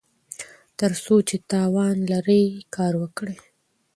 تر څو چې توان لرئ کار وکړئ.